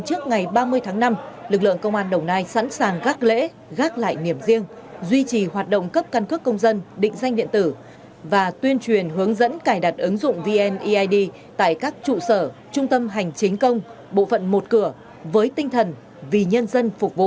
trước ngày ba mươi tháng năm lực lượng công an đồng nai sẵn sàng các lễ gác lại điểm riêng duy trì hoạt động cấp căn cước công dân định danh điện tử và tuyên truyền hướng dẫn cài đặt ứng dụng vneid tại các trụ sở trung tâm hành chính công bộ phận một cửa với tinh thần vì nhân dân phục vụ